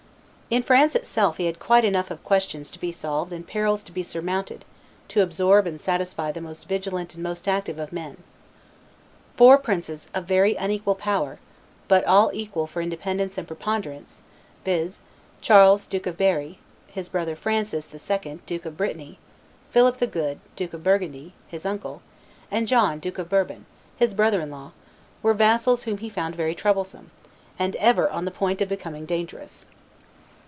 In France itself he had quite enough of questions to be solved and perils to be surmounted to absorb and satisfy the most vigilant and most active of men. Four princes of very unequal power, but all eager for independence and preponderance, viz., Charles, Duke of Berry, his brother; Francis II., Duke of Brittany; Philip the Good, Duke of Burgundy, his uncle; and John, Duke of Bourbon, his brother in law, were vassals whom he found very troublesome, and ever on the point of becoming dangerous.